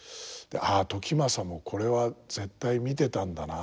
「ああ時政もこれは絶対見てたんだな」